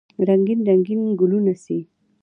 رنګین، رنګین ګلونه سي